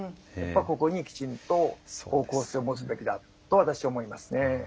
ここにきちんと方向性を持つべきだと私は思いますね。